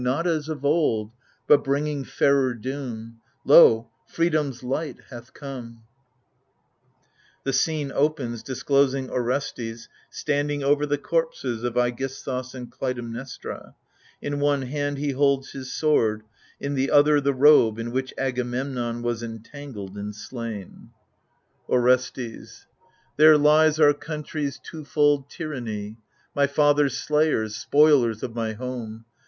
Not as of old, but bringing fairer doom. Lo, freedom's light hath come I \The scene opens y disclosing Orestes stand ing over the corpses of JEgisthus and Clytetnnestra ; in one hand he holds his sword, in the other the robe in which Agamemnon was entangled and slain. THE LIBATION BEARERS 127 Orestes There lies our country's twofold tyranny, My father's slayers, spoilers of my home.